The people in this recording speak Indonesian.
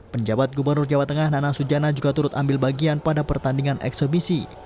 penjabat gubernur jawa tengah nana sujana juga turut ambil bagian pada pertandingan eksebisi